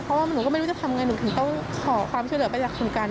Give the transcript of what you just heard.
เพราะว่าหนูก็ไม่รู้จะทำไงหนูถึงต้องขอความช่วยเหลือไปจากคุณกัน